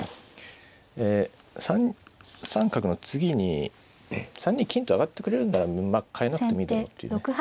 ええ３三角の次に３二金と上がってくれるんなら換えなくてもいいだろうっていうね